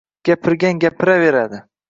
Gapirgan gapiraveradi.